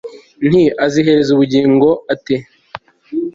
nti azihereza ubugingo ate